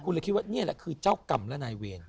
คุณเลยคิดว่านี่แหละคือเจ้ากรรมและนายเวร